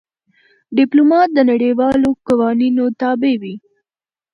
ډيپلومات د نړیوالو قوانینو تابع وي.